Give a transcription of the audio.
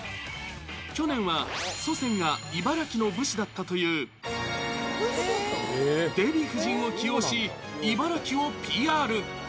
去年は祖先が茨城の武士だったというデヴィ夫人を起用し、茨城をＰＲ。